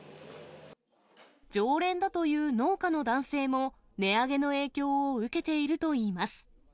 常連だという農家の男性も値上げの影響を受けているといいます。